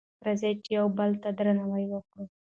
راځئ چې یو بل ته درناوی وکړو.